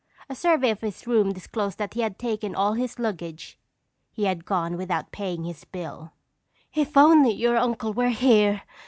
A survey of his room disclosed that he had taken all his luggage. He had gone without paying his bill. "If only your uncle were here!"